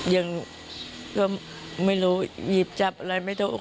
ยังก็ไม่รู้หยิบจับอะไรไม่ถูก